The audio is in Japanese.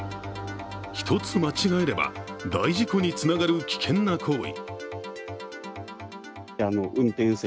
一つ間違えれば、大事故につながる危険な行為。